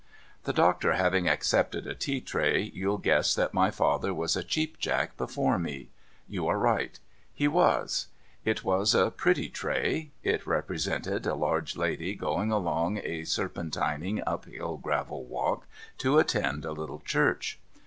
The doctor having accepted a tea tray, you'll guess that my father was a Cheap Jack before me. You are right. He was. It was a jiretty tray. It represented a large lady going along a serpen tining up hill gravel walk, to attend a little church.